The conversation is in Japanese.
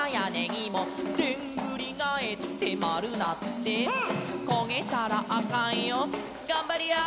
「でんぐりがえってまるなって」「こげたらあかんよがんばりやー」